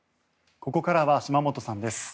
ここからは島本さんです。